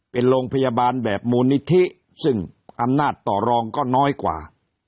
เป็นโรงพยาบาลแบบมูลนิธิซึ่งอำนาจต่อรองก็น้อยกว่า